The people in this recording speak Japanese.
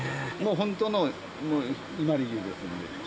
本当の、伊万里牛ですので。